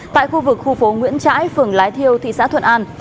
tại khu vực khu phố nguyễn trãi phường lái thiêu thị xã thuận an